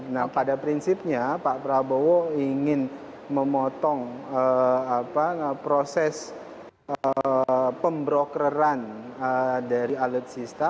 nah pada prinsipnya pak prabowo ingin memotong proses pembrokeran dari alutsista